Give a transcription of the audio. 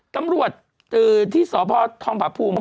ตำรวจที่สพทองผาภูมิ